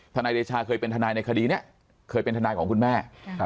นายเดชาเคยเป็นทนายในคดีนี้เคยเป็นทนายของคุณแม่